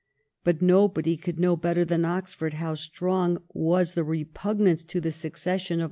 But nobody could know better than Oxford how strong was the repugnance to the succession of the VOL.